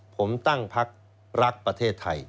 ผมตั้งพักรักประเทศไทย